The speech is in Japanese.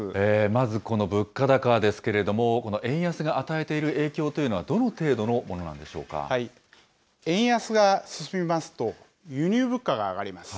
まず、この物価高ですけれども、円安が与えている影響というのは、どの程度のものなんでしょ円安が進みますと、輸入物価が上がります。